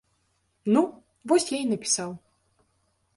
Ну, вось я і напісаў.